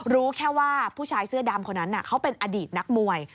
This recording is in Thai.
รู้แค่ว่าผู้ชายเสื้อดำคนนั้นเขาเป็นอดีตนักมวย